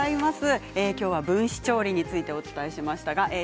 分子調理についてお伝えしました。